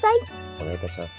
お願いいたします。